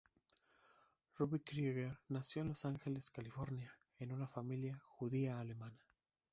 Robby Krieger nació en Los Ángeles, California, en una familia judía-alemana.